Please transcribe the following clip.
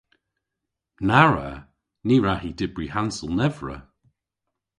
Na wra. Ny wra hi dybri hansel nevra.